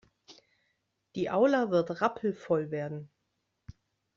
Die Aula wird rappelvoll werden.